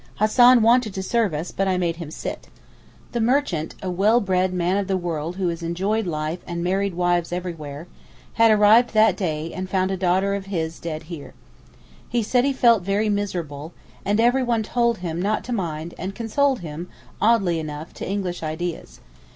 Hassan wanted to serve us but I made him sit. The merchant, a well bred man of the world who has enjoyed life and married wives everywhere—had arrived that day and found a daughter of his dead here. He said he felt very miserable—and everyone told him not to mind and consoled him oddly enough to English ideas.